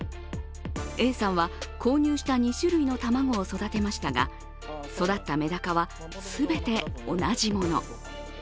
Ａさんは購入した２種類の卵を育てましたが育ったメダカは全て同じもの。